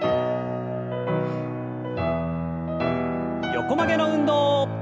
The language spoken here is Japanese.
横曲げの運動。